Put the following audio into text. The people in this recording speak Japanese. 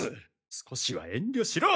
少しは遠慮しろ！！